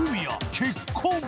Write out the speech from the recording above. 結婚。